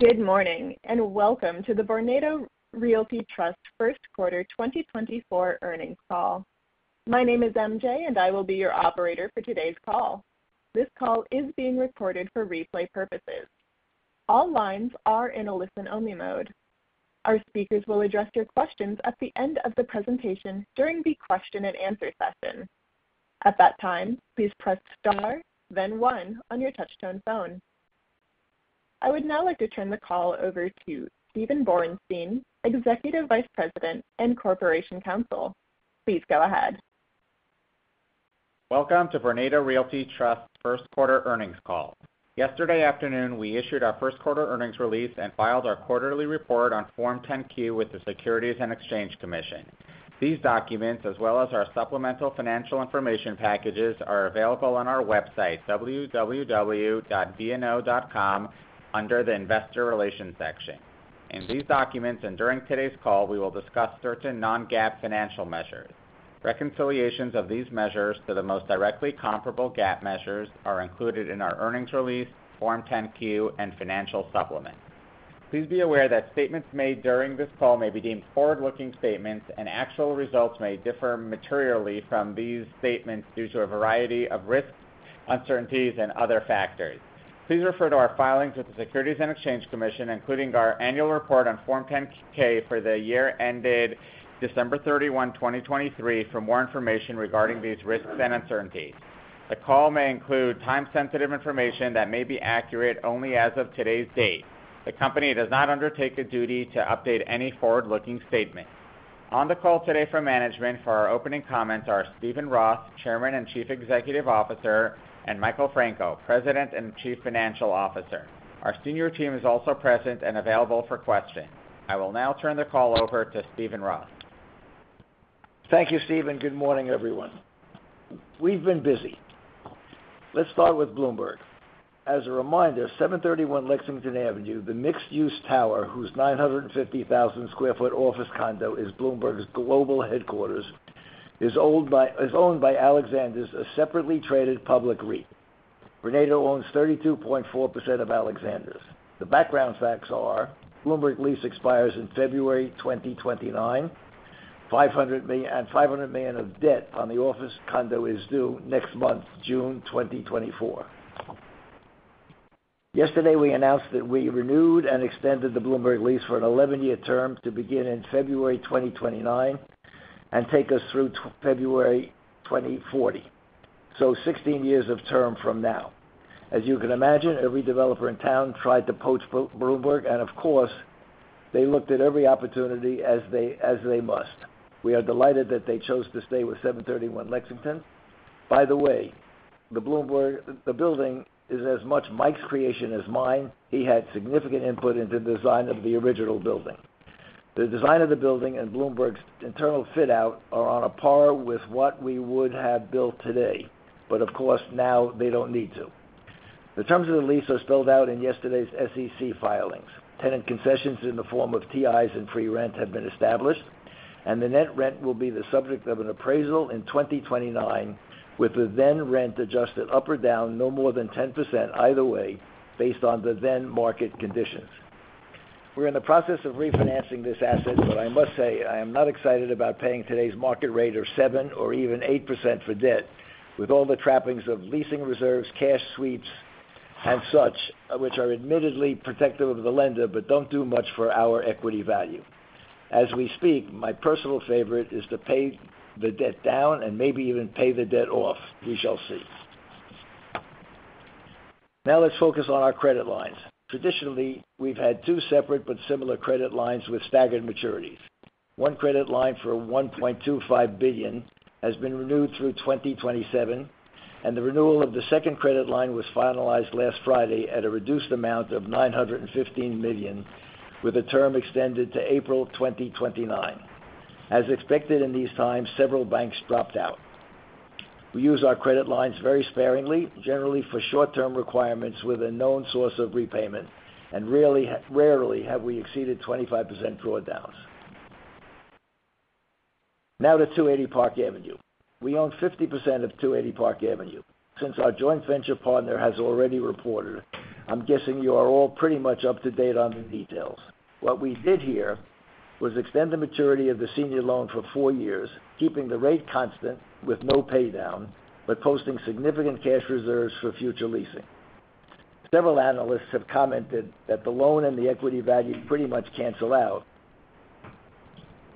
Good morning and welcome to the Vornado Realty Trust first quarter 2024 earnings call. My name is MJ, and I will be your operator for today's call. This call is being recorded for replay purposes. All lines are in a listen-only mode. Our speakers will address your questions at the end of the presentation during the question-and-answer session. At that time, please press star, then one on your touchtone phone. I would now like to turn the call over to Steven Borenstein, Executive Vice President and Corporation Counsel. Please go ahead. Welcome to Vornado Realty Trust first quarter earnings call. Yesterday afternoon, we issued our first quarter earnings release and filed our quarterly report on Form 10-Q with the Securities and Exchange Commission. These documents, as well as our supplemental financial information packages, are available on our website, www.vno.com, under the Investor Relations section. In these documents and during today's call, we will discuss certain non-GAAP financial measures. Reconciliations of these measures to the most directly comparable GAAP measures are included in our earnings release, Form 10-Q, and financial supplement. Please be aware that statements made during this call may be deemed forward-looking statements, and actual results may differ materially from these statements due to a variety of risks, uncertainties, and other factors. Please refer to our filings with the Securities and Exchange Commission, including our annual report on Form 10-K for the year ended December 31, 2023, for more information regarding these risks and uncertainties. The call may include time-sensitive information that may be accurate only as of today's date. The company does not undertake a duty to update any forward-looking statements. On the call today from management for our opening comments are Steven Roth, Chairman and Chief Executive Officer, and Michael Franco, President and Chief Financial Officer. Our senior team is also present and available for questions. I will now turn the call over to Steven Roth. Thank you, Steven. Good morning, everyone. We've been busy. Let's start with Bloomberg. As a reminder, 731 Lexington Avenue, the mixed-use tower whose 950,000 sq ft office condo is Bloomberg's global headquarters, is owned by Alexander's, a separately traded public REIT. Vornado owns 32.4% of Alexander's. The background facts are: Bloomberg lease expires in February 2029; $500 million of debt on the office condo is due next month, June 2024. Yesterday, we announced that we renewed and extended the Bloomberg lease for an 11-year term to begin in February 2029 and take us through February 2040, so 16 years of term from now. As you can imagine, every developer in town tried to poach Bloomberg, and of course, they looked at every opportunity as they must. We are delighted that they chose to stay with 731 Lexington. By the way, the building is as much Mike's creation as mine. He had significant input into the design of the original building. The design of the building and Bloomberg's internal fit-out are on a par with what we would have built today, but of course, now they don't need to. The terms of the lease are spelled out in yesterday's SEC filings. Tenant concessions in the form of TIs and free rent have been established, and the net rent will be the subject of an appraisal in 2029 with the then rent adjusted up or down no more than 10% either way based on the then market conditions. We're in the process of refinancing this asset, but I must say I am not excited about paying today's market rate of 7% or even 8% for debt, with all the trappings of leasing reserves, cash sweeps, and such, which are admittedly protective of the lender but don't do much for our equity value. As we speak, my personal favorite is to pay the debt down and maybe even pay the debt off. We shall see. Now let's focus on our credit lines. Traditionally, we've had two separate but similar credit lines with staggered maturities. One credit line for $1.25 billion has been renewed through 2027, and the renewal of the second credit line was finalized last Friday at a reduced amount of $915 million, with a term extended to April 2029. As expected in these times, several banks dropped out. We use our credit lines very sparingly, generally for short-term requirements with a known source of repayment, and rarely have we exceeded 25% drawdowns. Now to 280 Park Avenue. We own 50% of 280 Park Avenue. Since our joint venture partner has already reported, I'm guessing you are all pretty much up to date on the details. What we did here was extend the maturity of the senior loan for four years, keeping the rate constant with no paydown but posting significant cash reserves for future leasing. Several analysts have commented that the loan and the equity value pretty much cancel out,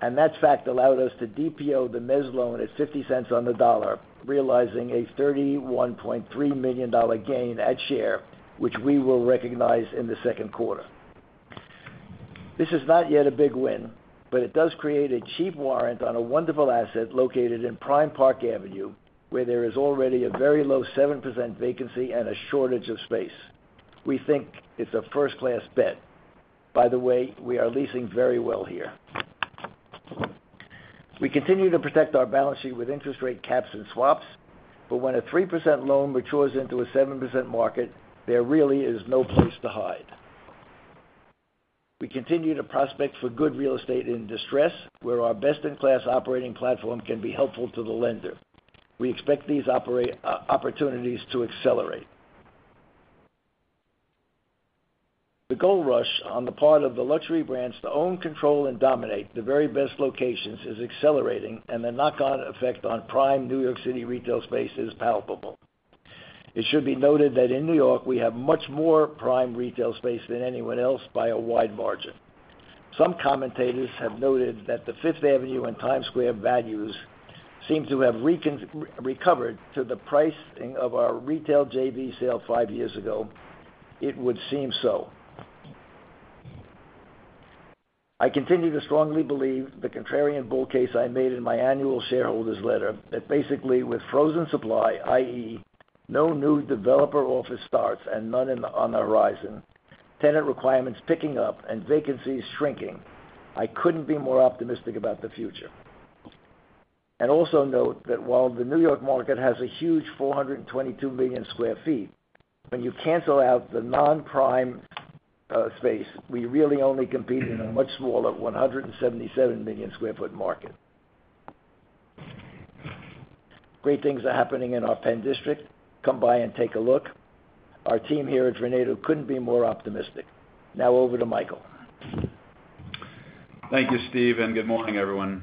and that fact allowed us to DPO the mezz loan at $0.50 on the dollar, realizing a $31.3 million gain at share, which we will recognize in the second quarter. This is not yet a big win, but it does create a cheap warrant on a wonderful asset located in prime Park Avenue, where there is already a very low 7% vacancy and a shortage of space. We think it's a first-class bet. By the way, we are leasing very well here. We continue to protect our balance sheet with interest rate caps and swaps, but when a 3% loan matures into a 7% market, there really is no place to hide. We continue to prospect for good real estate in distress, where our best-in-class operating platform can be helpful to the lender. We expect these opportunities to accelerate. The gold rush on the part of the luxury brands to own control and dominate the very best locations is accelerating, and the knock-on effect on prime New York City retail space is palpable. It should be noted that in New York, we have much more prime retail space than anyone else by a wide margin. Some commentators have noted that the Fifth Avenue and Times Square values seem to have recovered to the pricing of our retail JV sale five years ago. It would seem so. I continue to strongly believe the contrarian bull case I made in my annual shareholders' letter that basically, with frozen supply, i.e., no new developer office starts and none on the horizon, tenant requirements picking up, and vacancies shrinking, I couldn't be more optimistic about the future. And also note that while the New York market has a huge 422 million sq ft, when you cancel out the non-prime space, we really only compete in a much smaller 177 million sq ft market. Great things are happening in our Penn District. Come by and take a look. Our team here at Vornado couldn't be more optimistic. Now over to Michael. Thank you, Steve, and good morning, everyone.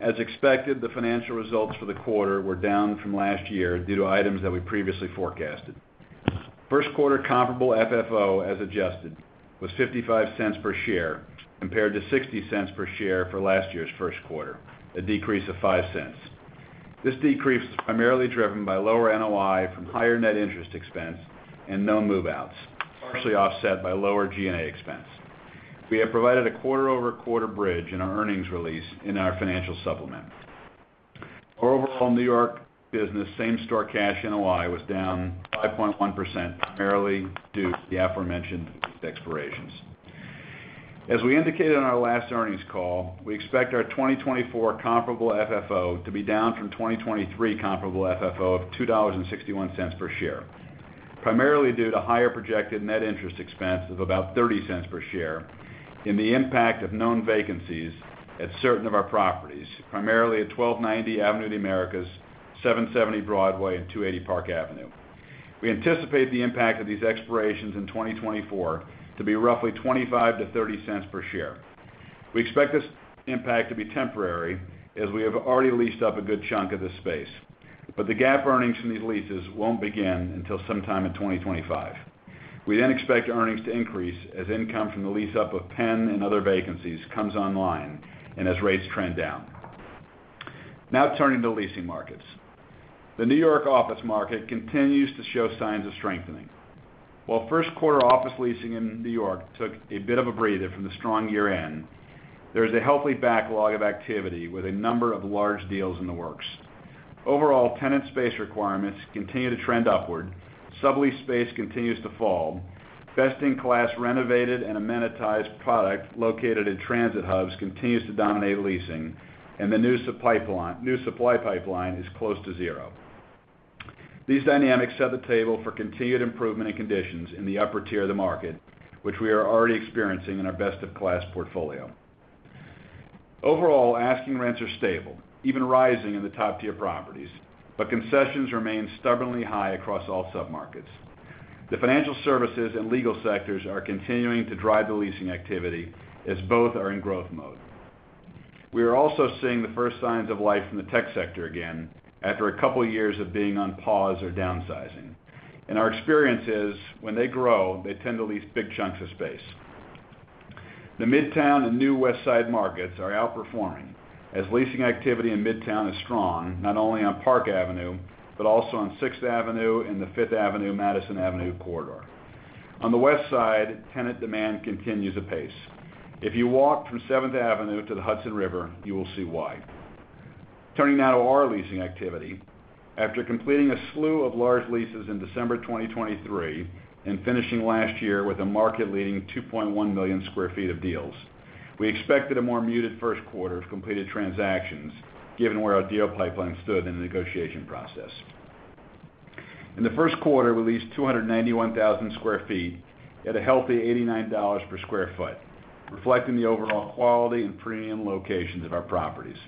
As expected, the financial results for the quarter were down from last year due to items that we previously forecasted. First quarter comparable FFO, as adjusted, was $0.55 per share compared to $0.60 per share for last year's first quarter, a decrease of $0.05. This decrease was primarily driven by lower NOI from higher net interest expense and no move-outs, partially offset by lower G&A expense. We have provided a quarter-over-quarter bridge in our earnings release in our financial supplement. Our overall New York business, same-store cash NOI, was down 5.1% primarily due to the aforementioned lease expirations. As we indicated on our last earnings call, we expect our 2024 comparable FFO to be down from 2023 comparable FFO of $2.61 per share, primarily due to higher projected net interest expense of about $0.30 per share and the impact of known vacancies at certain of our properties, primarily at 1290 Avenue of the Americas, 770 Broadway, and 280 Park Avenue. We anticipate the impact of these expirations in 2024 to be roughly $0.25-$0.30 per share. We expect this impact to be temporary, as we have already leased up a good chunk of this space, but the GAAP earnings from these leases won't begin until sometime in 2025. We then expect earnings to increase as income from the lease-up of Penn and other vacancies comes online and as rates trend down. Now turning to leasing markets. The New York office market continues to show signs of strengthening. While first-quarter office leasing in New York took a bit of a breather from the strong year-end, there is a healthy backlog of activity with a number of large deals in the works. Overall, tenant space requirements continue to trend upward. Sublease space continues to fall. Best-in-class renovated and amenitized product located in transit hubs continues to dominate leasing, and the new supply pipeline is close to 0. These dynamics set the table for continued improvement in conditions in the upper tier of the market, which we are already experiencing in our best-of-class portfolio. Overall, asking rents are stable, even rising in the top-tier properties, but concessions remain stubbornly high across all submarkets. The financial services and legal sectors are continuing to drive the leasing activity, as both are in growth mode. We are also seeing the first signs of life in the tech sector again after a couple of years of being on pause or downsizing. Our experience is, when they grow, they tend to lease big chunks of space. The Midtown and New West Side markets are outperforming, as leasing activity in Midtown is strong, not only on Park Avenue but also on 6th Avenue and the 5th Avenue/Madison Avenue corridor. On the West Side, tenant demand continues apace. If you walk from 7th Avenue to the Hudson River, you will see why. Turning now to our leasing activity. After completing a slew of large leases in December 2023 and finishing last year with a market-leading 2.1 million sq ft of deals, we expected a more muted first quarter of completed transactions, given where our deal pipeline stood in the negotiation process. In the first quarter, we leased 291,000 sq ft at a healthy $89 per sq ft, reflecting the overall quality and premium locations of our properties.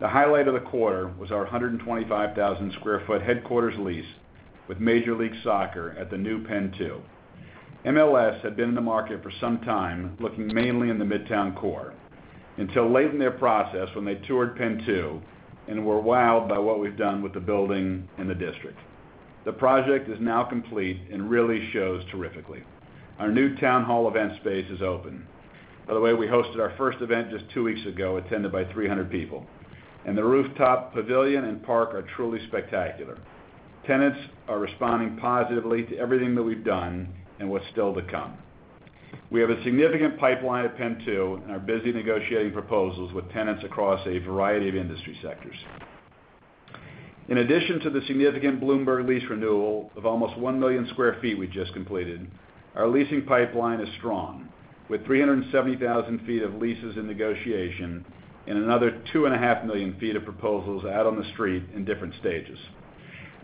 The highlight of the quarter was our 125,000 sq ft headquarters lease with Major League Soccer at the new Penn 2. MLS had been in the market for some time looking mainly in the Midtown core, until late in their process when they toured Penn 2 and were wowed by what we've done with the building and the district. The project is now complete and really shows terrifically. Our new town hall event space is open. By the way, we hosted our first event just two weeks ago, attended by 300 people, and the rooftop, pavilion, and park are truly spectacular. Tenants are responding positively to everything that we've done and what's still to come. We have a significant pipeline at Penn 2 and are busy negotiating proposals with tenants across a variety of industry sectors. In addition to the significant Bloomberg lease renewal of almost 1 million sq ft we just completed, our leasing pipeline is strong, with 370,000 sq ft of leases in negotiation and another 2.5 million sq ft of proposals out on the street in different stages.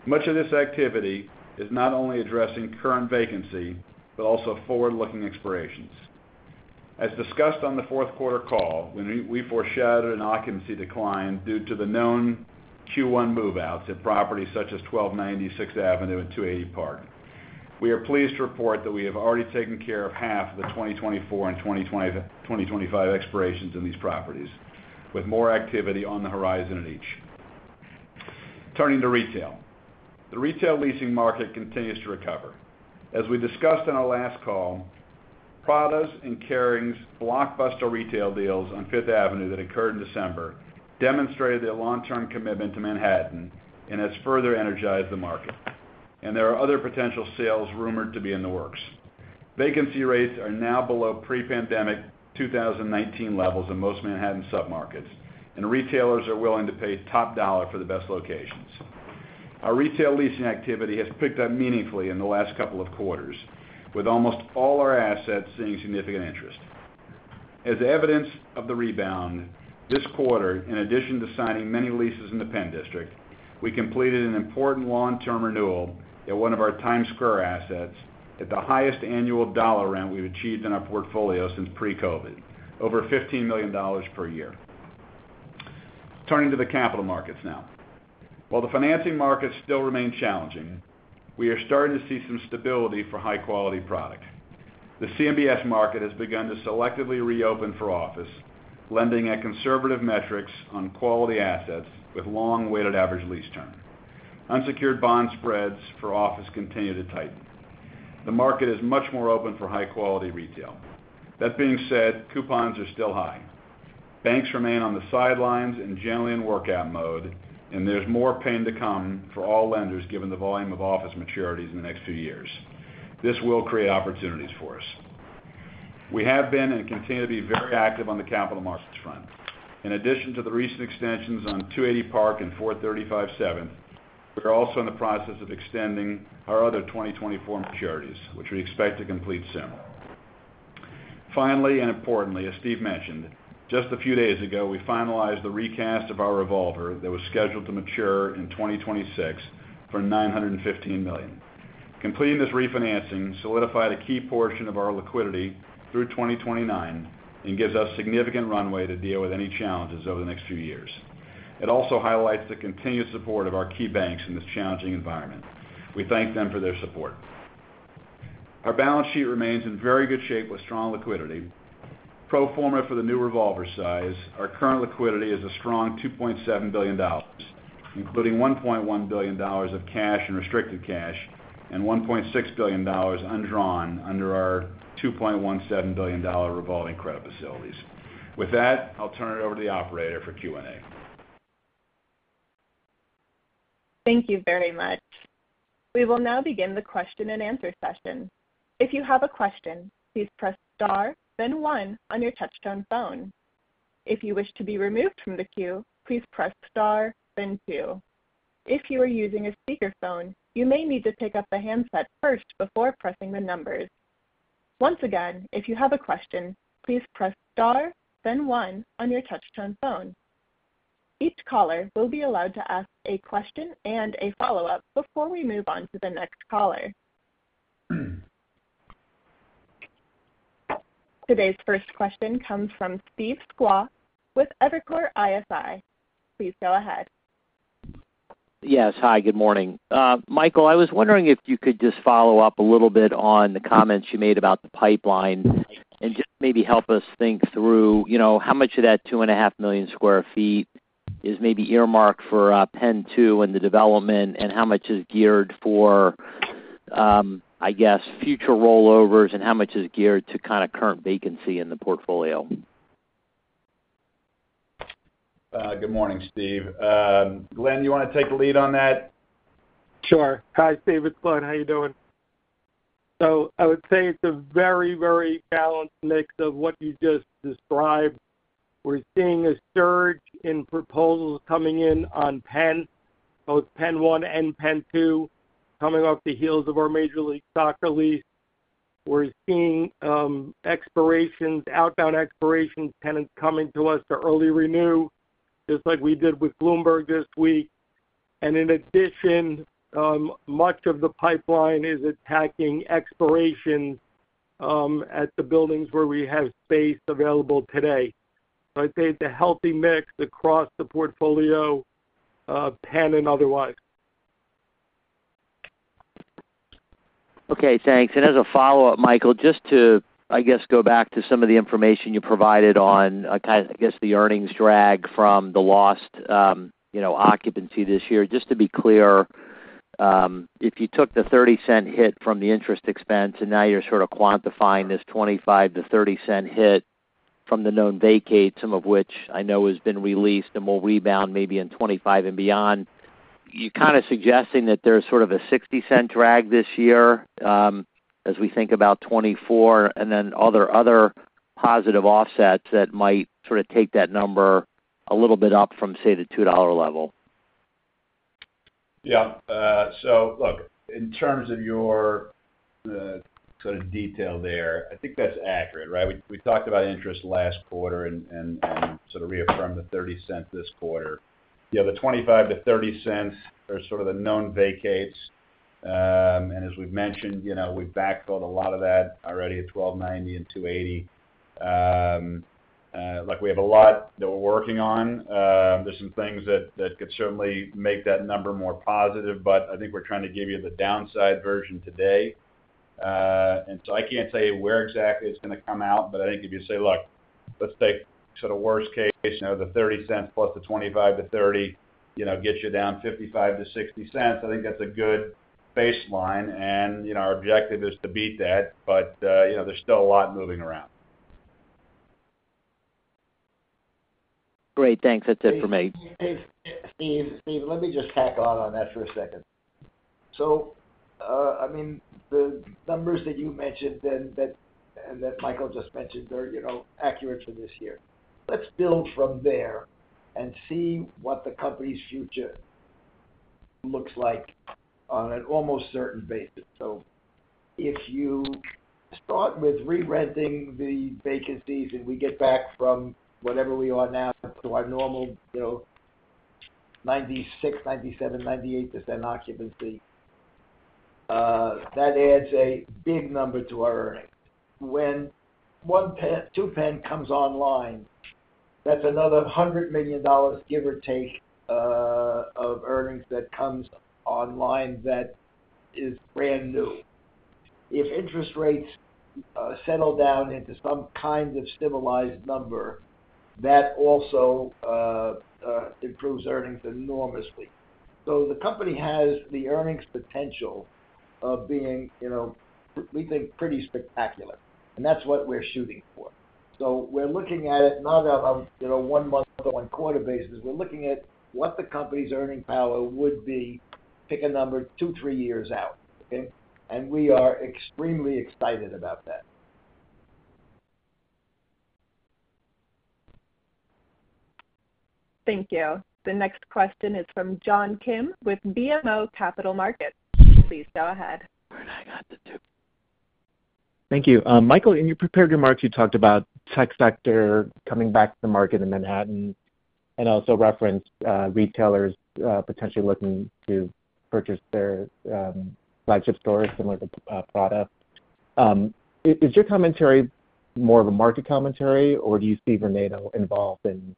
Much of this activity is not only addressing current vacancy but also forward-looking expirations. As discussed on the fourth quarter call, we foreshadowed an occupancy decline due to the known Q1 move-outs at properties such as 1290 Sixth Avenue and 280 Park Avenue. We are pleased to report that we have already taken care of half of the 2024 and 2025 expirations in these properties, with more activity on the horizon at each. Turning to retail. The retail leasing market continues to recover. As we discussed on our last call, Prada's and Kering's blockbuster retail deals on Fifth Avenue that occurred in December demonstrated their long-term commitment to Manhattan and has further energized the market. There are other potential sales rumored to be in the works. Vacancy rates are now below pre-pandemic 2019 levels in most Manhattan submarkets, and retailers are willing to pay top dollar for the best locations. Our retail leasing activity has picked up meaningfully in the last couple of quarters, with almost all our assets seeing significant interest. As evidence of the rebound, this quarter, in addition to signing many leases in the Penn District, we completed an important long-term renewal at one of our Times Square assets at the highest annual dollar rent we've achieved in our portfolio since pre-COVID, over $15 million per year. Turning to the capital markets now. While the financing markets still remain challenging, we are starting to see some stability for high-quality product. The CMBS market has begun to selectively reopen for office, lending at conservative metrics on quality assets with long weighted average lease term. Unsecured bond spreads for office continue to tighten. The market is much more open for high-quality retail. That being said, coupons are still high. Banks remain on the sidelines and generally in workout mode, and there's more pain to come for all lenders given the volume of office maturities in the next few years. This will create opportunities for us. We have been and continue to be very active on the capital markets front. In addition to the recent extensions on 280 Park and 435 7th, we are also in the process of extending our other 2024 maturities, which we expect to complete soon. Finally and importantly, as Steve mentioned, just a few days ago, we finalized the recast of our revolver that was scheduled to mature in 2026 for $915 million. Completing this refinancing solidified a key portion of our liquidity through 2029 and gives us significant runway to deal with any challenges over the next few years. It also highlights the continued support of our key banks in this challenging environment. We thank them for their support. Our balance sheet remains in very good shape with strong liquidity. Pro forma for the new revolver size, our current liquidity is a strong $2.7 billion, including $1.1 billion of cash and restricted cash, and $1.6 billion undrawn under our $2.17 billion revolving credit facilities. With that, I'll turn it over to the operator for Q&A. Thank you very much. We will now begin the question-and-answer session. If you have a question, please press star, then one on your touch-tone phone. If you wish to be removed from the queue, please press star, then two. If you are using a speakerphone, you may need to pick up the handset first before pressing the numbers. Once again, if you have a question, please press star, then one on your touch-tone phone. Each caller will be allowed to ask a question and a follow-up before we move on to the next caller. Today's first question comes from Steve Sakwa with Evercore ISI. Please go ahead. Yes. Hi. Good morning. Michael, I was wondering if you could just follow up a little bit on the comments you made about the pipeline and just maybe help us think through how much of that 2.5 million sq ft is maybe earmarked for Penn 2 and the development, and how much is geared for, I guess, future rollovers, and how much is geared to kind of current vacancy in the portfolio? Good morning, Steve. Glen, you want to take the lead on that? Sure. Hi, Steve. It's Glen. How you doing? So I would say it's a very, very balanced mix of what you just described. We're seeing a surge in proposals coming in on Penn, both Penn 1 and Penn 2, coming off the heels of our Major League Soccer lease. We're seeing outbound expirations, tenants coming to us to early renew, just like we did with Bloomberg this week. And in addition, much of the pipeline is attacking expirations at the buildings where we have space available today. So I'd say it's a healthy mix across the portfolio, Penn and otherwise. Okay. Thanks. And as a follow-up, Michael, just to, I guess, go back to some of the information you provided on, I guess, the earnings drag from the lost occupancy this year. Just to be clear, if you took the $0.30 hit from the interest expense and now you're sort of quantifying this $0.25-$0.30 hit from the known vacate, some of which I know has been released and will rebound maybe in 2025 and beyond, you're kind of suggesting that there's sort of a $0.60 drag this year as we think about 2024 and then other positive offsets that might sort of take that number a little bit up from, say, the $2 level. Yeah. So look, in terms of your sort of detail there, I think that's accurate, right? We talked about interest last quarter and sort of reaffirmed the $0.30 this quarter. The $0.25-$0.30 are sort of the known vacates. And as we've mentioned, we've backfilled a lot of that already at 1290 and 280. Look, we have a lot that we're working on. There's some things that could certainly make that number more positive, but I think we're trying to give you the downside version today. And so I can't tell you where exactly it's going to come out, but I think if you say, "Look, let's take sort of worst case, the $0.30 plus the $0.25-$0.30 gets you down $0.55-$0.60," I think that's a good baseline. And our objective is to beat that, but there's still a lot moving around. Great. Thanks. That's it for me. Steve, let me just tack onto that for a second. So I mean, the numbers that you mentioned and that Michael just mentioned are accurate for this year. Let's build from there and see what the company's future looks like on an almost certain basis. So if you start with rerenting the vacancies and we get back from whatever we are now to our normal 96%, 97%, 98% occupancy, that adds a big number to our earnings. When 2 Penn comes online, that's another $100 million, give or take, of earnings that comes online that is brand new. If interest rates settle down into some kind of civilized number, that also improves earnings enormously. So the company has the earnings potential of being, we think, pretty spectacular. And that's what we're shooting for. So we're looking at it not on one-month or one-quarter basis. We're looking at what the company's earning power would be two, three years out, okay? We are extremely excited about that. Thank you. The next question is from John Kim with BMO Capital Markets. Please go ahead. Where'd I get the 2? Thank you. Michael, in your prepared remarks, you talked about tech sector coming back to the market in Manhattan and also referenced retailers potentially looking to purchase their flagship stores, similar to Prada. Is your commentary more of a market commentary, or do you see Vornado involved in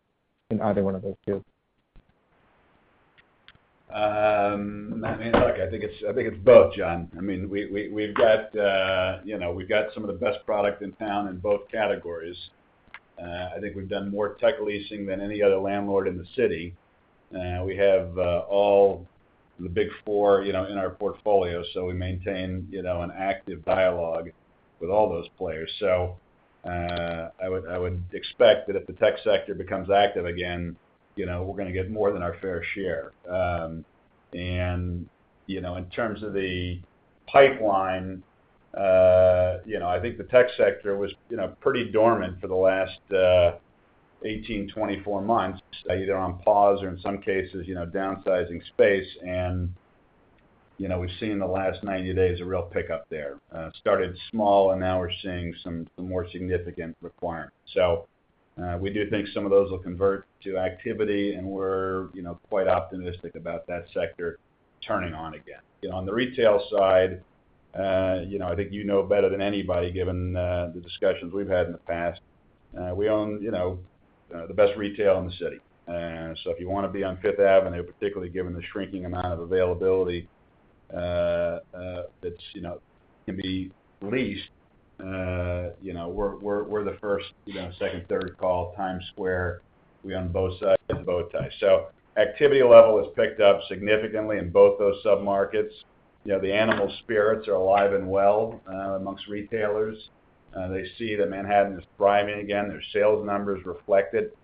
either one of those two? I mean, look, I think it's both, John. I mean, we've got some of the best product in town in both categories. I think we've done more tech leasing than any other landlord in the city. We have all the Big Four in our portfolio, so we maintain an active dialogue with all those players. I would expect that if the tech sector becomes active again, we're going to get more than our fair share. In terms of the pipeline, I think the tech sector was pretty dormant for the last 18, 24 months, either on pause or, in some cases, downsizing space. We've seen in the last 90 days a real pickup there. Started small, and now we're seeing some more significant requirements. We do think some of those will convert to activity, and we're quite optimistic about that sector turning on again. On the retail side, I think you know better than anybody given the discussions we've had in the past, we own the best retail in the city. So if you want to be on 5th Avenue, particularly given the shrinking amount of availability that can be leased, we're the first, second, third call, Times Square. We own both sides of both ties. So activity level has picked up significantly in both those submarkets. The animal spirits are alive and well amongst retailers. They see that Manhattan is thriving again. Their sales numbers reflect it.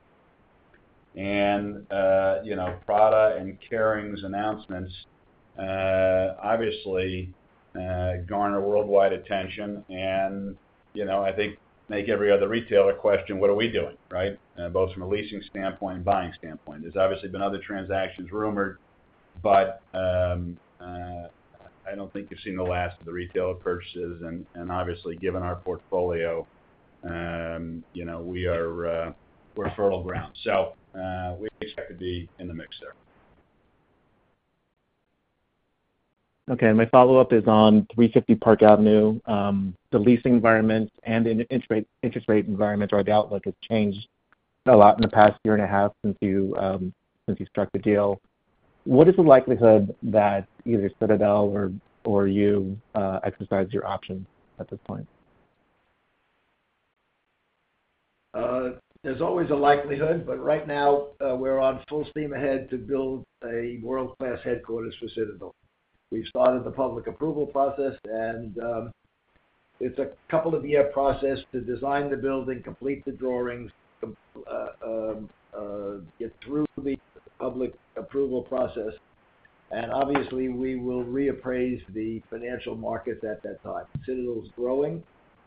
And Prada and Kering's announcements obviously garner worldwide attention and I think make every other retailer question, "What are we doing?" right, both from a leasing standpoint and buying standpoint. There's obviously been other transactions rumored, but I don't think you've seen the last of the retailer purchases. And obviously, given our portfolio, we're fertile ground. We expect to be in the mix there. Okay. My follow-up is on 350 Park Avenue. The leasing environment and the interest rate environment, or the outlook, has changed a lot in the past year and a half since you struck the deal. What is the likelihood that either Citadel or you exercise your options at this point? There's always a likelihood, but right now, we're on full steam ahead to build a world-class headquarters for Citadel. We've started the public approval process, and it's a couple-of-year process to design the building, complete the drawings, get through the public approval process. Obviously, we will reappraise the financial markets at that time. Citadel's growing.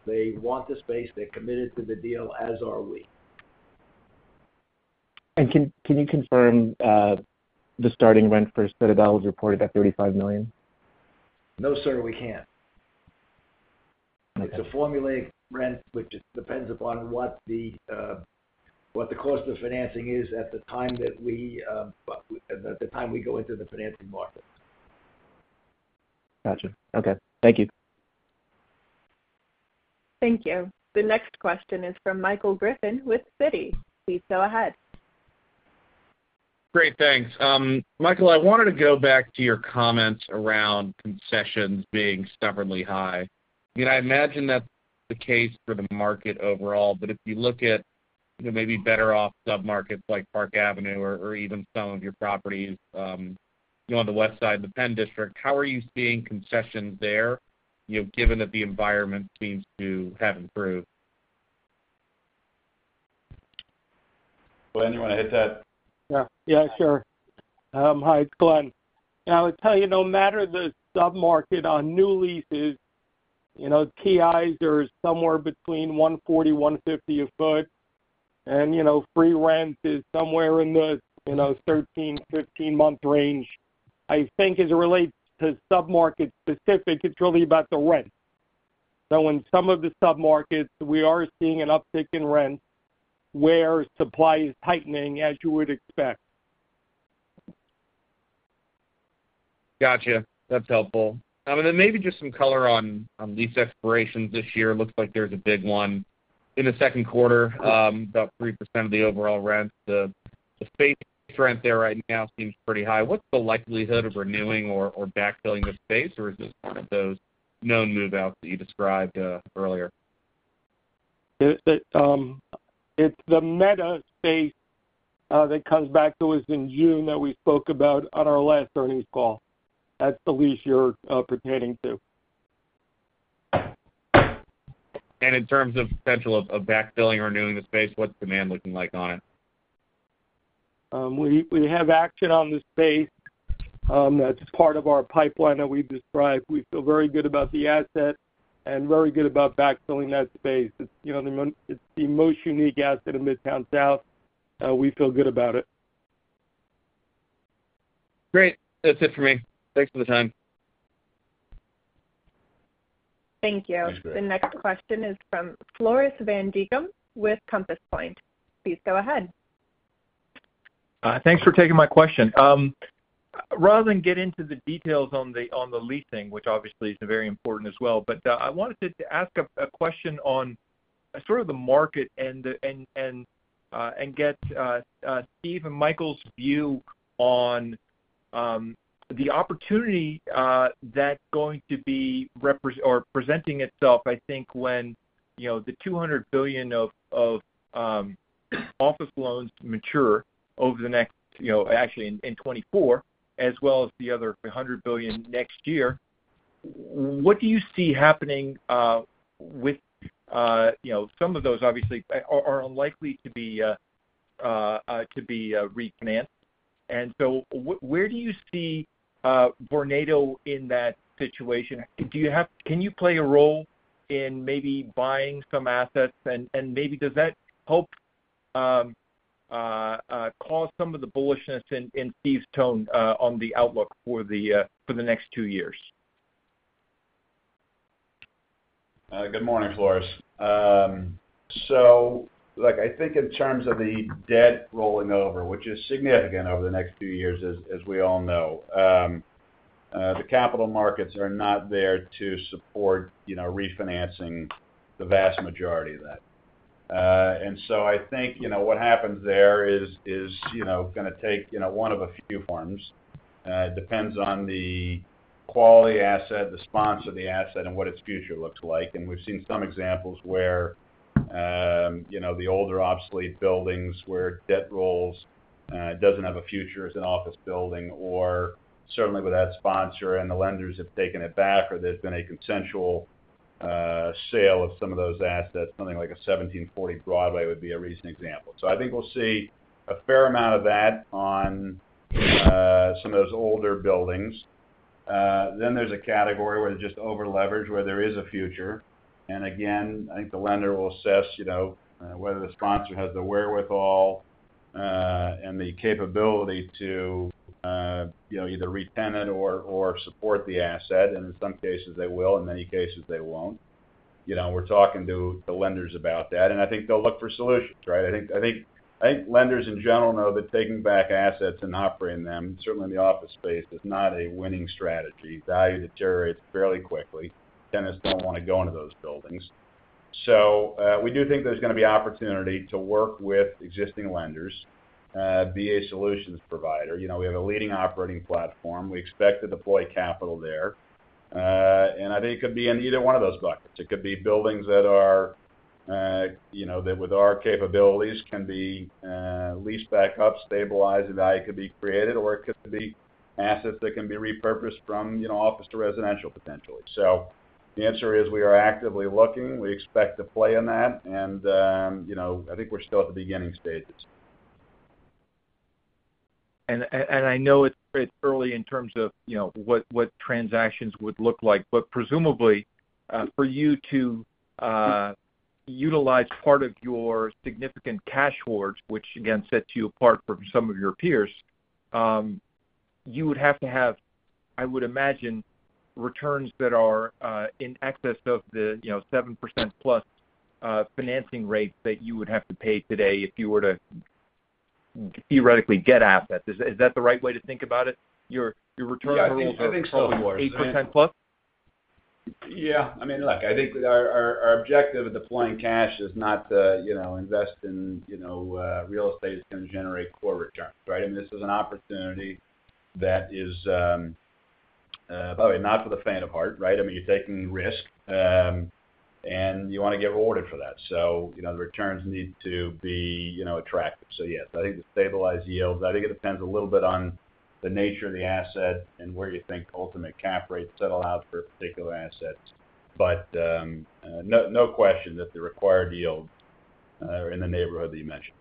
They want the space. They're committed to the deal, as are we. Can you confirm the starting rent for Citadel is reported at $35 million? No, sir. We can't. It's a formulaic rent, which depends upon what the cost of financing is at the time that we go into the financing market. Gotcha. Okay. Thank you. Thank you. The next question is from Michael Griffin with Citi. Please go ahead. Great. Thanks. Michael, I wanted to go back to your comments around concessions being stubbornly high. I mean, I imagine that's the case for the market overall, but if you look at maybe better-off submarkets like Park Avenue or even some of your properties on the west side of the Penn District, how are you seeing concessions there given that the environment seems to have improved? Glen, you want to hit that? Yeah. Yeah. Sure. Hi, it's Glen. I would tell you, no matter the submarket on new leases, TIs are somewhere between $140-$150 a foot, and free rent is somewhere in the 13-15-month range. I think as it relates to submarket-specific, it's really about the rent. So in some of the submarkets, we are seeing an uptick in rent where supply is tightening, as you would expect. Gotcha. That's helpful. And then maybe just some color on lease expirations this year. Looks like there's a big one in the second quarter, about 3% of the overall rent. The space rent there right now seems pretty high. What's the likelihood of renewing or backfilling the space, or is this one of those known moveouts that you described earlier? It's the Meta space that comes back. It was in June that we spoke about on our last earnings call. That's the lease you're referring to. In terms of potential of backfilling or renewing the space, what's demand looking like on it? We have action on the space. That's part of our pipeline that we've described. We feel very good about the asset and very good about backfilling that space. It's the most unique asset in Midtown South. We feel good about it. Great. That's it for me. Thanks for the time. Thank you. Thanks, Greg. The next question is from Floris van Dijkum with Compass Point. Please go ahead. Thanks for taking my question. Rather than get into the details on the leasing, which obviously is very important as well, but I wanted to ask a question on sort of the market and get Steve and Michael's view on the opportunity that's going to be or presenting itself, I think, when the $200 billion of office loans mature over the next actually, in 2024, as well as the other $100 billion next year. What do you see happening with some of those, obviously, are unlikely to be refinanced? And so where do you see Vornado in that situation? Can you play a role in maybe buying some assets? And maybe does that help cause some of the bullishness in Steve's tone on the outlook for the next two years? Good morning, Floris. So I think in terms of the debt rolling over, which is significant over the next two years, as we all know, the capital markets are not there to support refinancing the vast majority of that. And so I think what happens there is going to take one of a few forms. It depends on the quality asset, the sponsor of the asset, and what its future looks like. And we've seen some examples where the older, obsolete buildings where debt rolls doesn't have a future as an office building, or certainly with that sponsor, and the lenders have taken it back, or there's been a consensual sale of some of those assets. Something like a 1740 Broadway would be a recent example. So I think we'll see a fair amount of that on some of those older buildings. Then there's a category where they're just over-leveraged, where there is a future. And again, I think the lender will assess whether the sponsor has the wherewithal and the capability to either re-tenant it or support the asset. And in some cases, they will. In many cases, they won't. We're talking to lenders about that. And I think they'll look for solutions, right? I think lenders, in general, know that taking back assets and operating them, certainly in the office space, is not a winning strategy. Value deteriorates fairly quickly. Tenants don't want to go into those buildings. So we do think there's going to be opportunity to work with existing lenders, be a solutions provider. We have a leading operating platform. We expect to deploy capital there. And I think it could be in either one of those buckets. It could be buildings that, with our capabilities, can be leased back up, stabilized, and value could be created, or it could be assets that can be repurposed from office to residential, potentially. The answer is we are actively looking. We expect to play in that. I think we're still at the beginning stages. I know it's early in terms of what transactions would look like, but presumably, for you to utilize part of your significant cash hoard, which, again, sets you apart from some of your peers, you would have to have, I would imagine, returns that are in excess of the 7%+ financing rate that you would have to pay today if you were to theoretically get assets. Is that the right way to think about it? Your return rules are 8%+? Yeah. I think so. Yeah. I mean, look, I think our objective of deploying cash is not to invest in real estate that's going to generate core returns, right? I mean, this is an opportunity that is, by the way, not for the faint of heart, right? I mean, you're taking risk, and you want to get rewarded for that. So the returns need to be attractive. So yes, I think the stabilized yields I think it depends a little bit on the nature of the asset and where you think ultimate cap rates settle out for particular assets. But no question that the required yields are in the neighborhood that you mentioned.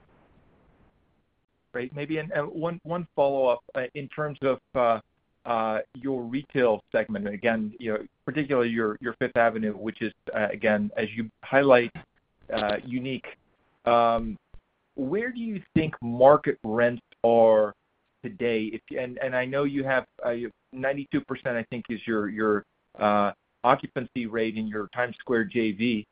Great. Maybe one follow-up in terms of your retail segment. Again, particularly your Fifth Avenue, which is, again, as you highlight, unique. Where do you think market rents are today? And I know you have 92%, I think, is your occupancy rate in your Times Square JV.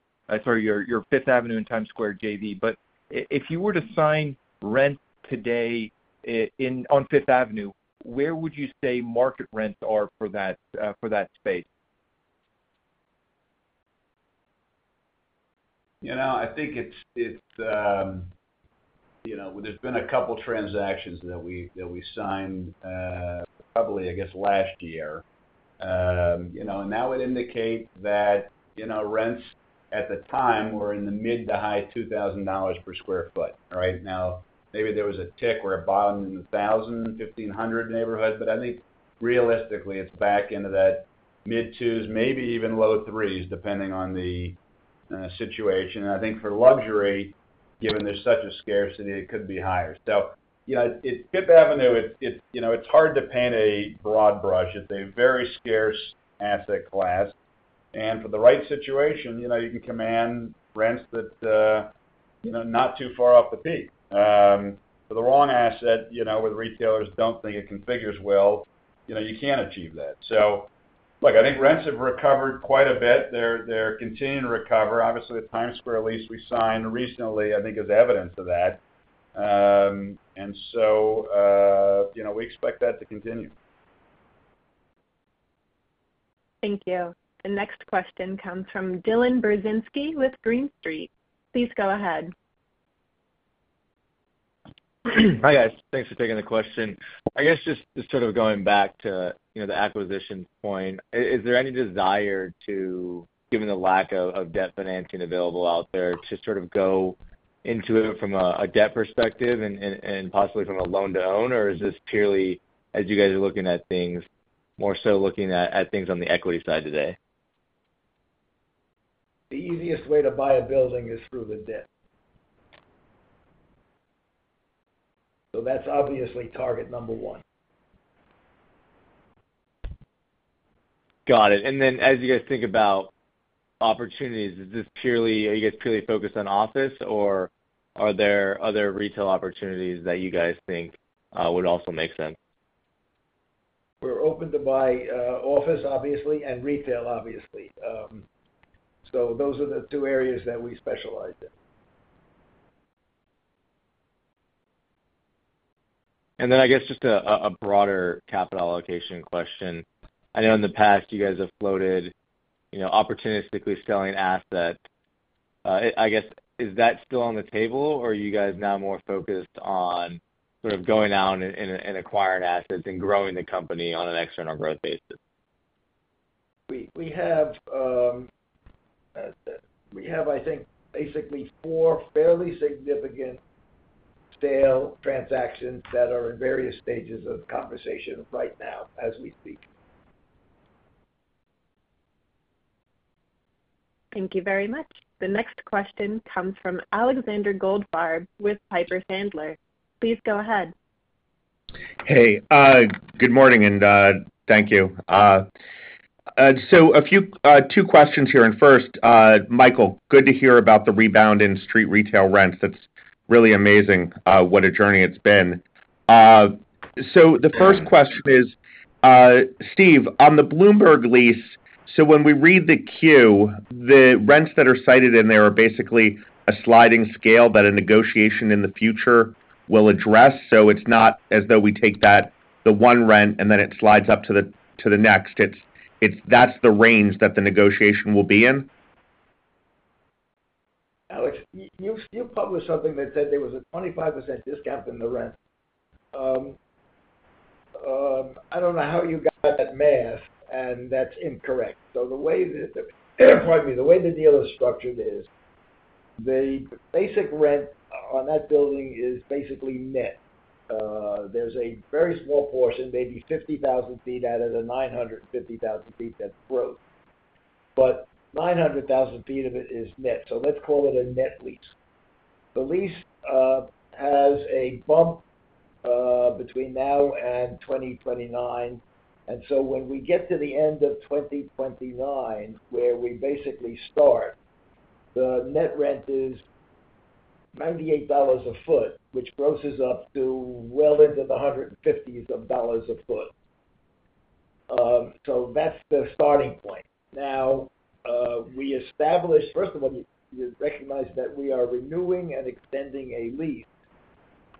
Sorry, your Fifth Avenue and Times Square JV. But if you were to sign rent today on Fifth Avenue, where would you say market rents are for that space? I think there has been a couple of transactions that we signed probably, I guess, last year. That would indicate that rents at the time were in the mid- to high $2,000 per sq ft, right? Now, maybe there was a tick or a bottom in the 1,000-1,500 neighborhood, but I think, realistically, it's back into that mid-2s, maybe even low-3s, depending on the situation. I think for luxury, given there's such a scarcity, it could be higher. Fifth Avenue, it's hard to paint a broad brush. It's a very scarce asset class. For the right situation, you can command rents that are not too far off the peak. For the wrong asset, where the retailers don't think it configures well, you can't achieve that. Look, I think rents have recovered quite a bit. They're continuing to recover. Obviously, the Times Square lease we signed recently, I think, is evidence of that. And so we expect that to continue. Thank you. The next question comes from Dylan Burzinski with Green Street. Please go ahead. Hi, guys. Thanks for taking the question. I guess just sort of going back to the acquisition point, is there any desire to, given the lack of debt financing available out there, to sort of go into it from a debt perspective and possibly from a loan-to-own? Or is this purely, as you guys are looking at things, more so looking at things on the equity side today? The easiest way to buy a building is through the debt. So that's obviously target number one. Got it. And then as you guys think about opportunities, are you guys purely focused on office, or are there other retail opportunities that you guys think would also make sense? We're open to buy office, obviously, and retail, obviously. So those are the two areas that we specialize in. Then I guess just a broader capital allocation question. I know in the past, you guys have floated opportunistically selling assets. I guess, is that still on the table, or are you guys now more focused on sort of going out and acquiring assets and growing the company on an external growth basis? We have, I think, basically four fairly significant sale transactions that are in various stages of conversation right now as we speak. Thank you very much. The next question comes from Alexander Goldfarb with Piper Sandler. Please go ahead. Hey. Good morning, and thank you. So two questions here. And first, Michael, good to hear about the rebound in street retail rents. That's really amazing what a journey it's been. So the first question is, Steve, on the Bloomberg lease, so when we read the Q, the rents that are cited in there are basically a sliding scale that a negotiation in the future will address. So it's not as though we take the one rent and then it slides up to the next. That's the range that the negotiation will be in? You published something that said there was a 25% discount in the rent. I don't know how you got that math, and that's incorrect. So the way that, pardon me. The way the deal is structured is the basic rent on that building is basically net. There's a very small portion, maybe 50,000 sq ft out of the 950,000 sq ft that's gross. But 900,000 sq ft of it is net. So let's call it a net lease. The lease has a bump between now and 2029. And so when we get to the end of 2029, where we basically start, the net rent is $98 a sq ft, which grosses up to well into the $150s a sq ft. So that's the starting point. Now, first of all, you recognize that we are renewing and extending a lease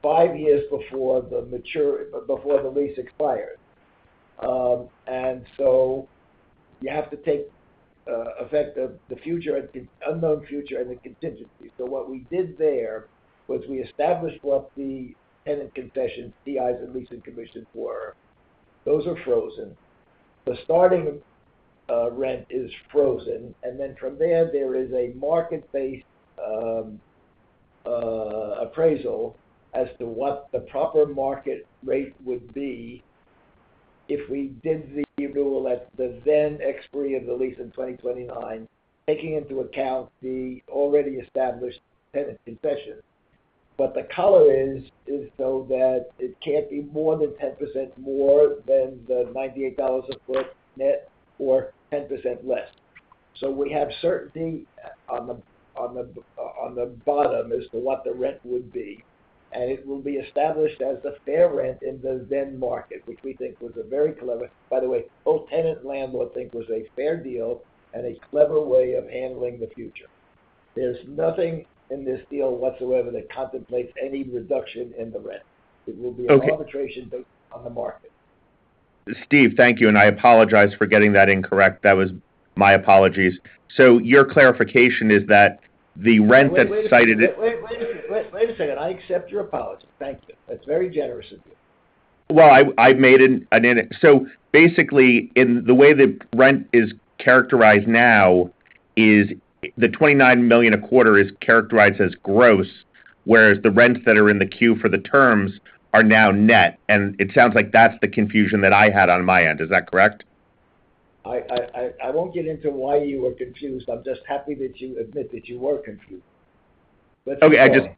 five years before the lease expires. You have to take effect of the unknown future and the contingency. What we did there was we established what the tenant concessions, TIs, and leasing commissions were. Those are frozen. The starting rent is frozen. Then from there, there is a market-based appraisal as to what the proper market rate would be if we did the renewal at the then expiry of the lease in 2029, taking into account the already established tenant concession. The collar is so that it can't be more than 10% more than the $98 a foot net or 10% less. We have certainty on the bottom as to what the rent would be. It will be established as the fair rent in the then market, which we think was a very clever by the way, both tenant and landlord think was a fair deal and a clever way of handling the future. There's nothing in this deal whatsoever that contemplates any reduction in the rent. It will be an arbitration based on the market. Steve, thank you. And I apologize for getting that incorrect. That was my apologies. So your clarification is that the rent that's cited. Wait a second. Wait a second. I accept your apology. Thank you. That's very generous of you. Well, so basically, the way the rent is characterized now is the $29 million a quarter is characterized as gross, whereas the rents that are in the queue for the terms are now net. And it sounds like that's the confusion that I had on my end. Is that correct? I won't get into why you were confused. I'm just happy that you admit that you were confused. Let's move on. Okay.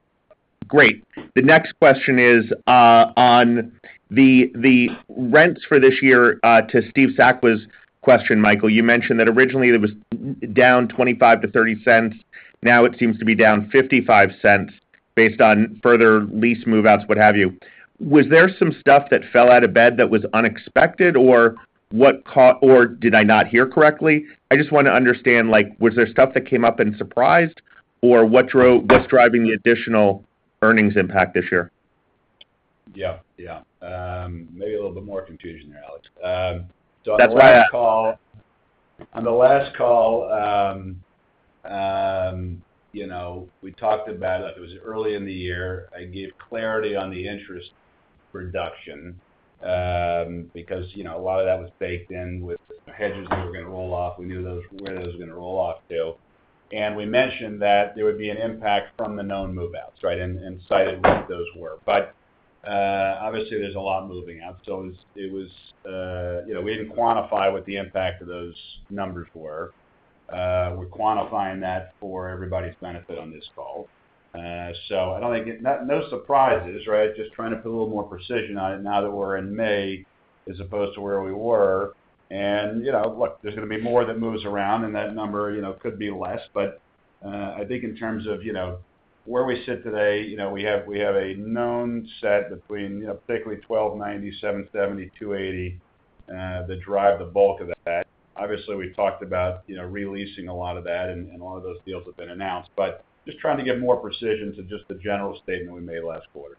Great. The next question is on the rents for this year to Steve Sakwa's question, Michael. You mentioned that originally, it was down $0.25-$0.30. Now, it seems to be down $0.55 based on further lease moveouts, what have you. Was there some stuff that fell out of bed that was unexpected, or did I not hear correctly? I just want to understand, was there stuff that came up and surprised, or what's driving the additional earnings impact this year? Yeah. Yeah. Maybe a little bit more confusion there, Alex. So on the last call. That's why I. On the last call, we talked about it. It was early in the year. I gave clarity on the interest reduction because a lot of that was baked in with hedges that were going to roll off. We knew where those were going to roll off to. We mentioned that there would be an impact from the known moveouts, right, and cited what those were. But obviously, there's a lot moving out. So, it was we didn't quantify what the impact of those numbers were. We're quantifying that for everybody's benefit on this call. So, I don't think no surprises, right? Just trying to put a little more precision on it now that we're in May as opposed to where we were. Look, there's going to be more that moves around, and that number could be less. But I think in terms of where we sit today, we have a known set between, particularly, 1290, 770, 280 that drive the bulk of that. Obviously, we talked about releasing a lot of that, and a lot of those deals have been announced. But just trying to give more precision to just the general statement we made last quarter.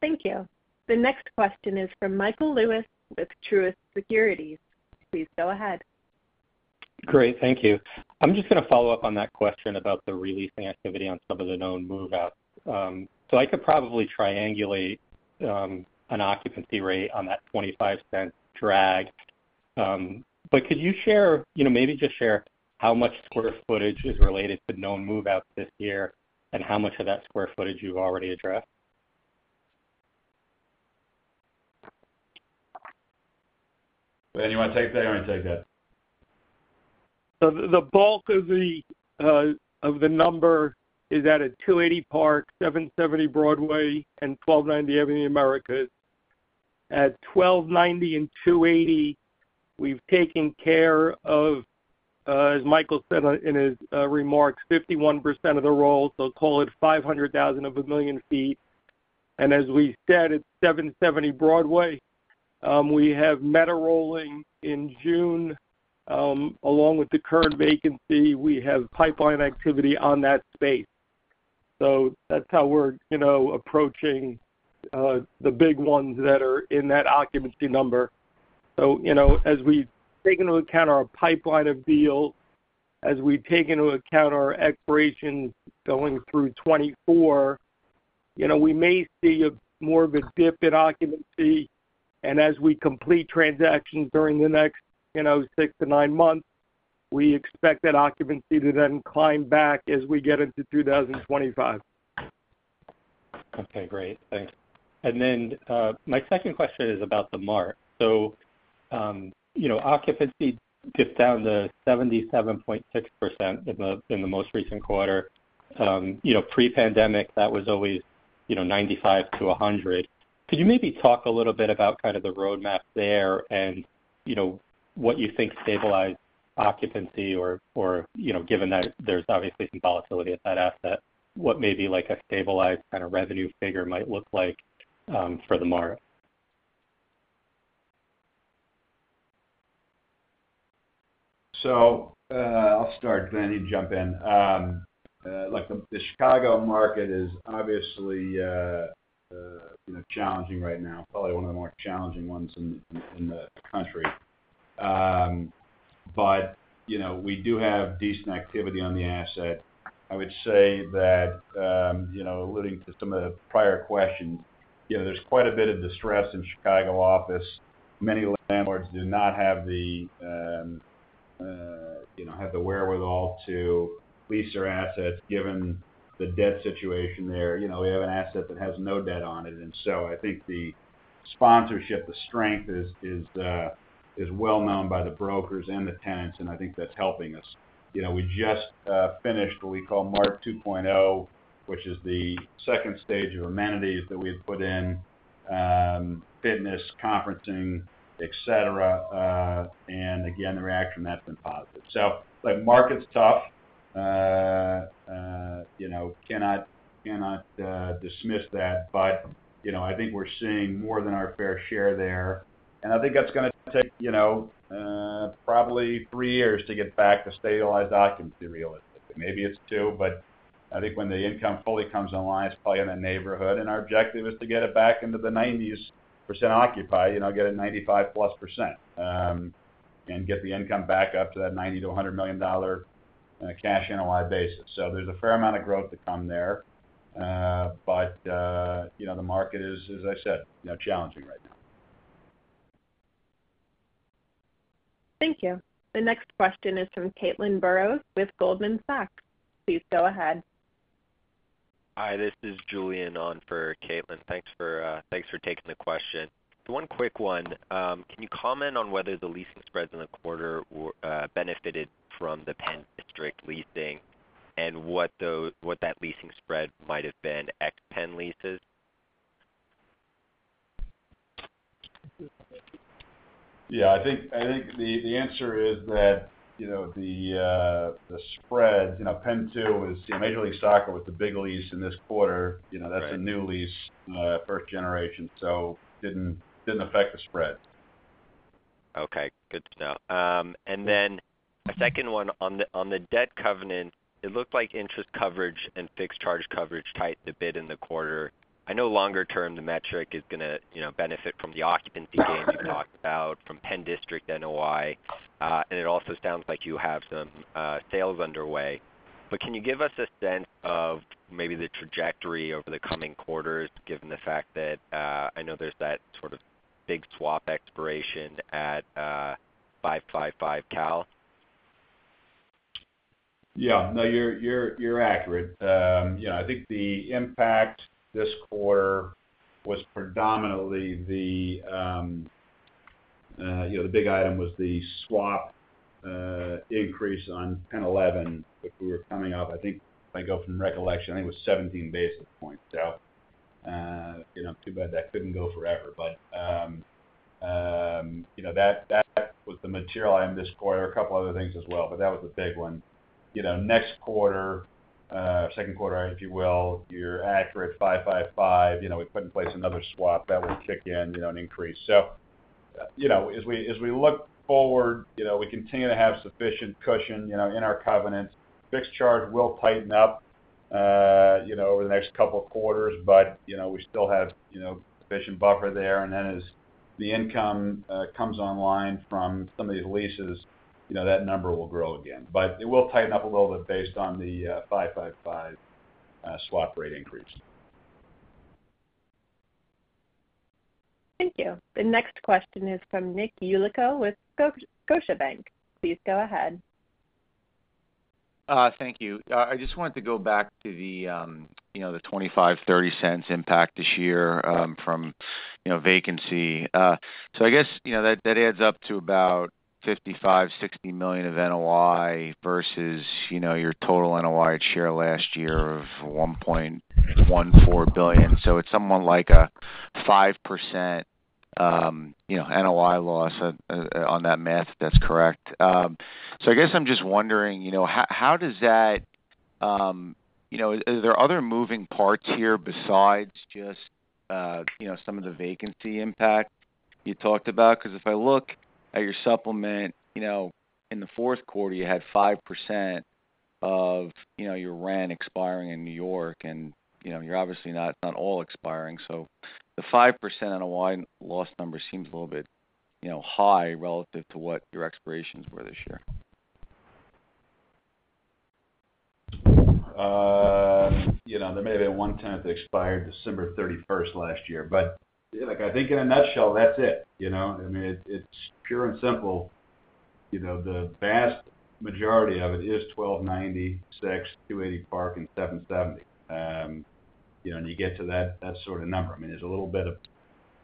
Thank you. The next question is from Michael Lewis with Truist Securities. Please go ahead. Great. Thank you. I'm just going to follow up on that question about the releasing activity on some of the known moveouts. So I could probably triangulate an occupancy rate on that $0.25 drag. But could you share maybe just share how much square footage is related to known moveouts this year and how much of that square footage you've already addressed? Anyone want to take that or not take that? So the bulk of the number is at 280 Park, 770 Broadway, and 1290 Avenue of the Americas. At 1290 and 280, we've taken care of, as Michael said in his remarks, 51% of the roll. So call it 500,000 of 1 million feet. And as we said, at 770 Broadway, we have Meta rolling in June. Along with the current vacancy, we have pipeline activity on that space. So that's how we're approaching the big ones that are in that occupancy number. So as we take into account our pipeline of deals, as we take into account our expirations going through 2024, we may see more of a dip in occupancy. And as we complete transactions during the next six to nine months, we expect that occupancy to then climb back as we get into 2025. Okay. Great. Thanks. And then my second question is about the Mart. So occupancy dipped down to 77.6% in the most recent quarter. Pre-pandemic, that was always 95%-100%. Could you maybe talk a little bit about kind of the roadmap there and what you think stabilized occupancy or given that there's obviously some volatility at that asset, what maybe a stabilized kind of revenue figure might look like for the Mart? So I'll start, Glen, and jump in. The Chicago market is obviously challenging right now, probably one of the more challenging ones in the country. But we do have decent activity on the asset. I would say that, alluding to some of the prior questions, there's quite a bit of distress in Chicago office. Many landlords do not have the wherewithal to lease their assets given the debt situation there. We have an asset that has no debt on it. And so I think the sponsorship, the strength, is well known by the brokers and the tenants, and I think that's helping us. We just finished what we call MART 2.0, which is the second stage of amenities that we had put in: fitness, conferencing, etc. And again, the reaction from that's been positive. So market's tough. Cannot dismiss that. But I think we're seeing more than our fair share there. And I think that's going to take probably three years to get back to stabilized occupancy realistically. Maybe it's two. But I think when the income fully comes online, it's probably in the neighborhood. And our objective is to get it back into the 90s% occupied, get it 95+%, and get the income back up to that $90 million-$100 million cash annualized basis. So there's a fair amount of growth to come there. But the market is, as I said, challenging right now. Thank you. The next question is from Caitlin Burrows with Goldman Sachs. Please go ahead. Hi. This is Julian on for Caitlin. Thanks for taking the question. So one quick one. Can you comment on whether the leasing spreads in the quarter benefited from the Penn District leasing and what that leasing spread might have been ex-Penn leases? Yeah. I think the answer is that the spread at Penn 2 was Major League Soccer with the big lease in this quarter. That's a new lease, first generation, so didn't affect the spread. Okay. Good to know. And then a second one. On the debt covenant, it looked like interest coverage and fixed charge coverage tightened a bit in the quarter. I know longer-term, the metric is going to benefit from the occupancy gains you talked about from Penn District NOI. And it also sounds like you have some sales underway. But can you give us a sense of maybe the trajectory over the coming quarters given the fact that I know there's that sort of big swap expiration at 555 Cal? Yeah. No, you're accurate. I think the impact this quarter was predominantly the big item was the swap increase on Penn 11, which we were coming off. I think, if I go from recollection, I think it was 17 basis points. So too bad that couldn't go forever. But that was the material item this quarter. A couple other things as well, but that was the big one. Next quarter, second quarter, if you will, you're accurate. 555, we put in place another swap. That will kick in an increase. So as we look forward, we continue to have sufficient cushion in our covenants. Fixed charge will tighten up over the next couple of quarters, but we still have sufficient buffer there. And then as the income comes online from some of these leases, that number will grow again. But it will tighten up a little bit based on the 555 swap rate increase. Thank you. The next question is from Nick Yulico with Scotiabank. Please go ahead. Thank you. I just wanted to go back to the $0.25-$0.30 impact this year from vacancy. So I guess that adds up to about $55 million-$60 million of NOI versus your total NOI share last year of $1.14 billion. So it's somewhat like a 5% NOI loss on that math, if that's correct. So I guess I'm just wondering, how does that—are there other moving parts here besides just some of the vacancy impact you talked about? Because if I look at your supplement, in the fourth quarter, you had 5% of your rent expiring in New York. And you're obviously not all expiring. So the 5% NOI loss number seems a little bit high relative to what your expirations were this year. There may have been one tenant that expired December 31st last year. But I think, in a nutshell, that's it. I mean, it's pure and simple. The vast majority of it is 1290, 6, 280 Park, and 770. And you get to that sort of number. I mean, there's a little bit of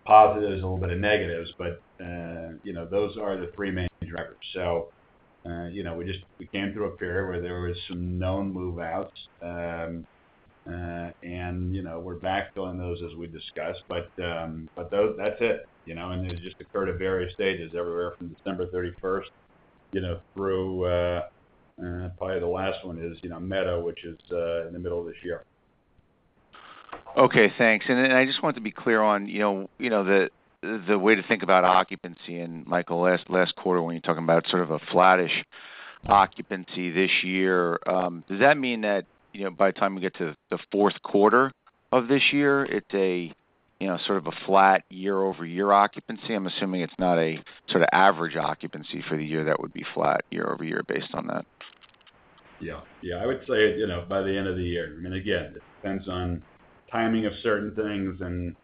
positives, a little bit of negatives, but those are the three main drivers. So we came through a period where there were some known moveouts, and we're back filling those as we discussed. But that's it. And it just occurred at various stages everywhere from December 31st through probably the last one is Meta, which is in the middle of this year. Okay. Thanks. And then I just wanted to be clear on the way to think about occupancy. And Michael, last quarter, when you're talking about sort of a flattish occupancy this year, does that mean that by the time we get to the fourth quarter of this year, it's sort of a flat year-over-year occupancy? I'm assuming it's not a sort of average occupancy for the year that would be flat year-over-year based on that. Yeah. Yeah. I would say by the end of the year. I mean, again, it depends on timing of certain things, and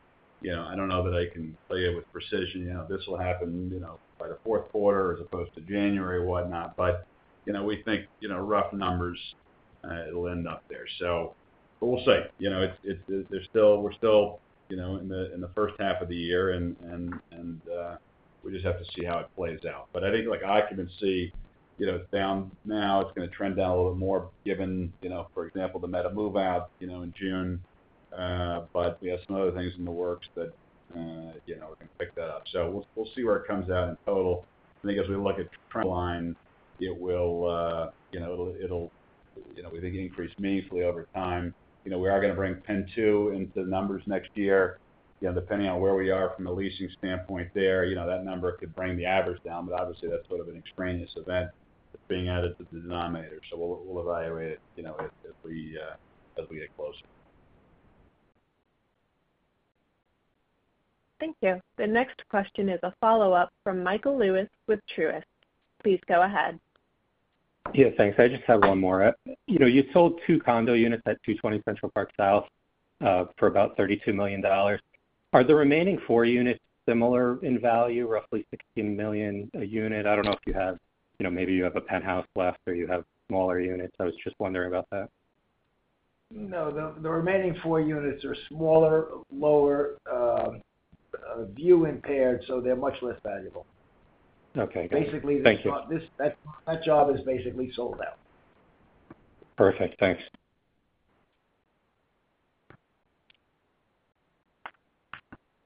I don't know that I can play it with precision. This will happen by the fourth quarter as opposed to January, whatnot. But we think rough numbers, it'll end up there. But we'll see. We're still in the first half of the year, and we just have to see how it plays out. But I think occupancy is down now. It's going to trend down a little bit more given, for example, the Meta moveout in June. But we have some other things in the works that we can pick that up. So we'll see where it comes out in total. I think as we look at trendline, it'll, we think, increase meaningfully over time. We are going to bring Penn 2 into the numbers next year. Depending on where we are from a leasing standpoint there, that number could bring the average down. But obviously, that's sort of an extraneous event that's being added to the denominator. So we'll evaluate it as we get closer. Thank you. The next question is a follow-up from Michael Lewis with Truist. Please go ahead. Yeah. Thanks. I just have one more. You sold two condo units at 220 Central Park South for about $32 million. Are the remaining four units similar in value, roughly $16 million a unit? I don't know if you have maybe you have a penthouse left or you have smaller units. I was just wondering about that. No. The remaining four units are smaller, lower view impaired, so they're much less valuable. Basically, that job is basically sold out. Perfect. Thanks.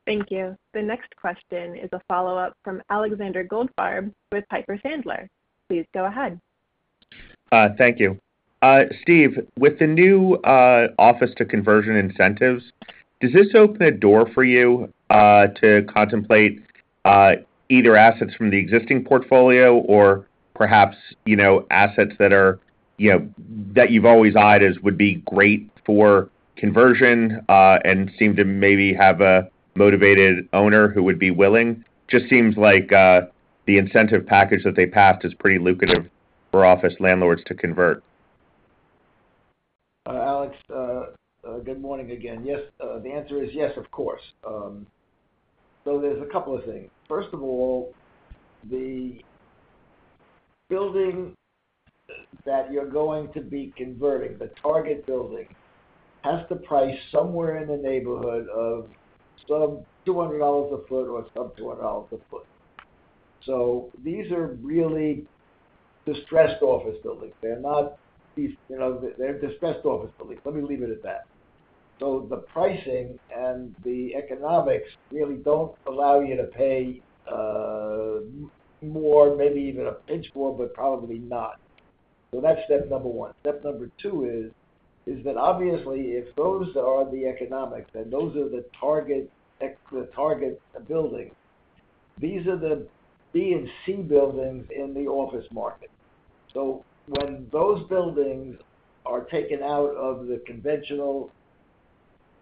Thank you. The next question is a follow-up from Alexander Goldfarb with Piper Sandler. Please go ahead. Thank you. Steve, with the new office conversion incentives, does this open a door for you to contemplate either assets from the existing portfolio or perhaps assets that you've always eyed as would be great for conversion and seem to maybe have a motivated owner who would be willing? It just seems like the incentive package that they passed is pretty lucrative for office landlords to convert. Alex, good morning again. Yes. The answer is yes, of course. So there's a couple of things. First of all, the building that you're going to be converting, the target building, has to price somewhere in the neighborhood of sub-$200 a foot or sub-$200 a foot. So these are really distressed office buildings. They're distressed office buildings. Let me leave it at that. So the pricing and the economics really don't allow you to pay more, maybe even a pinch more, but probably not. So that's step number one. Step number two is that obviously, if those are the economics and those are the target buildings, these are the B and C buildings in the office market. So when those buildings are taken out of the conventional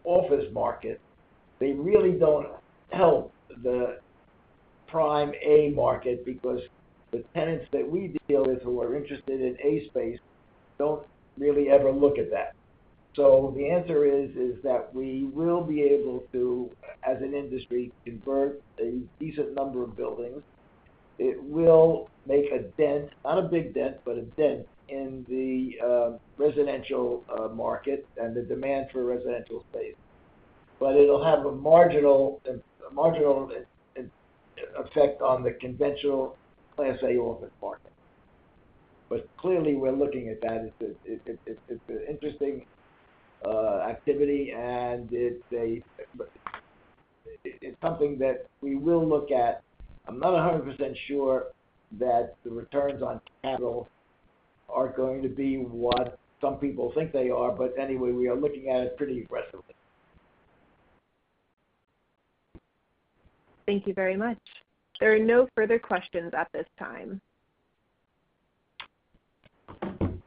office market, they really don't help the prime A market because the tenants that we deal with who are interested in A space don't really ever look at that. So the answer is that we will be able to, as an industry, convert a decent number of buildings. It will make a dent not a big dent, but a dent in the residential market and the demand for residential space. But it'll have a marginal effect on the conventional Class A office market. But clearly, we're looking at that. It's an interesting activity, and it's something that we will look at. I'm not 100% sure that the returns on capital are going to be what some people think they are. But anyway, we are looking at it pretty aggressively. Thank you very much. There are no further questions at this time.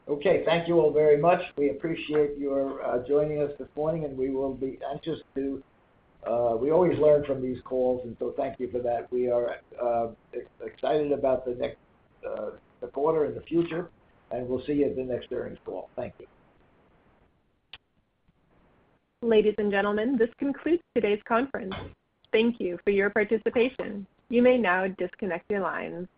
Okay. Thank you all very much. We appreciate your joining us this morning, and we will be anxious to. We always learn from these calls, and so thank you for that. We are excited about the quarter in the future, and we'll see you at the next earnings call. Thank you. Ladies and gentlemen, this concludes today's conference. Thank you for your participation. You may now disconnect your lines.